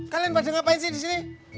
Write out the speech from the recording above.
kalian pada ngapain sih di sini